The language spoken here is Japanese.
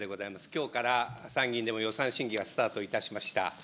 きょうから参議院でも予算審議がスタートいたしました。